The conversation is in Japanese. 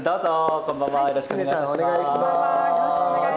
こんばんはよろしくお願いします。